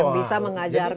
yang bisa mengajarkan